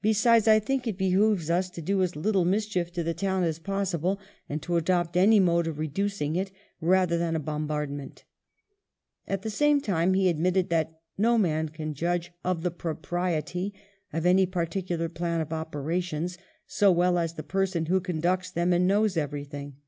Besides, I think it behoves us to do as little mischief to the town as possible, and to adopt any mode of reducing it rather than a bombard ment'' At the same time he admitted that ''no man can judge of the propriety of any particular plan of operations so well as the person who conducts them and knows everything."